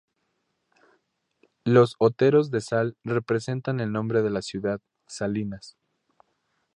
Los oteros de sal representan el nombre de la ciudad: Salinas.